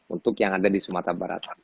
untuk yang ada di sumatera barat